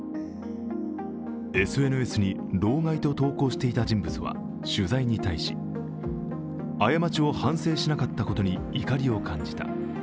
ＳＮＳに老害と投稿していた人物は取材に対し過ちを反省しなかったことに怒りを感じた。